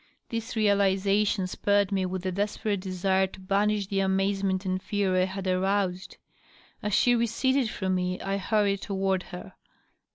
This realization spurred me with a desperate desire to banish the amazement and fear I had aroused. As she receded from me I hurried toward her.